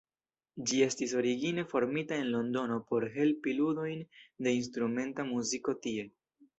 Ĝi estis origine formita en Londono por helpi ludojn de instrumenta muziko tie.